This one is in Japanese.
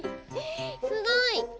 すごい。